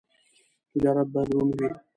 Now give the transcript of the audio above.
تجارت باید روڼ وي.